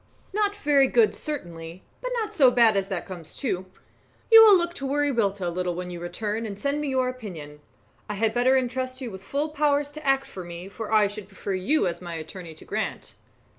"Not very good, certainly; but not so bad as that comes to. You will look to Wiriwilta a little when you return, and send me your opinion. I had better entrust you with full powers to act for me, for I should prefer you as my attorney to Grant."